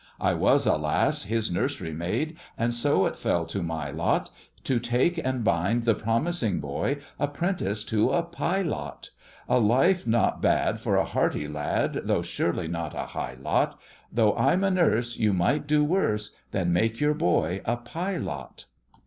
I was, alas! his nurs'rymaid, and so it fell to my lot To take and bind the promising boy apprentice to a pilot — A life not bad for a hardy lad, though surely not a high lot, Though I'm a nurse, you might do worse than make your boy a pilot.